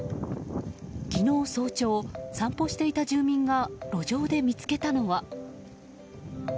昨日早朝、散歩していた住民が路上で見つけたのは。